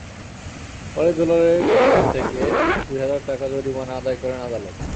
পরে দুলালের কাছ থেকে দুই হাজার টাকা জরিমানা আদায় করেন আদালত।